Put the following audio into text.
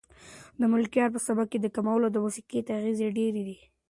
د ملکیار په سبک کې د کلمو د موسیقیت اغېز ډېر دی.